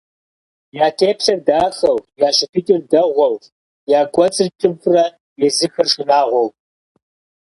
Я теплъэр дахэу, я щытыкӀэр дэгъуэу, я кӀуэцӀыр кӀыфӀрэ, езыхэр шынагъуэу.